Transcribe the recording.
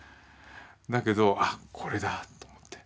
だけど「あっこれだ」と思って。